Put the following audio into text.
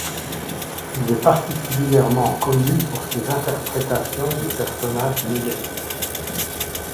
Il est particulièrement connu pour ses interprétations de personnages négatifs.